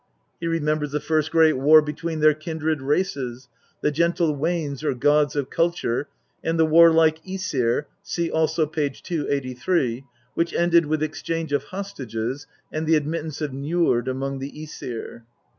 He remembers the first great war between their kindred races, the gentle Wanes or gods of culture and the war like Msir (see also p. 283), which ended with exchange of hostages and the admittance of Njord among the JEsir.